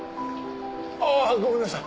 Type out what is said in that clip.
ああ！ごめんなさい。